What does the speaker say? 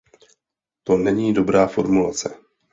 To není dobrá formulace.